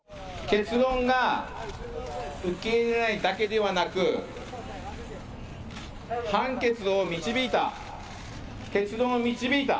結論が受け入れられないだけでなく判決を導いた、結論を導いた。